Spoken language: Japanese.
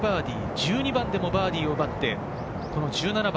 １２番でもバーディーを奪って１７番。